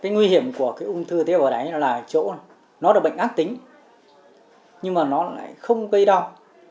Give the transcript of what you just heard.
nguy hiểm của ung thư tế bào đáy là chỗ nó là bệnh ác tính nhưng mà nó lại không gây đau